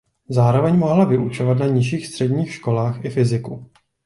Zároveň mohla vyučovat na nižších středních školách i fyziku.